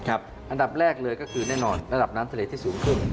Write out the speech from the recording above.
อันดับแรกเลยก็คือแน่นอนระดับน้ำทะเลที่สูงขึ้น